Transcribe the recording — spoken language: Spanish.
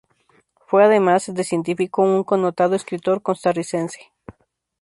Fue, además de científico, un connotado escritor costarricense.